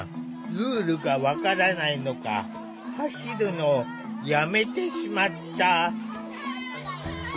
ルールが分からないのか走るのをやめてしまった。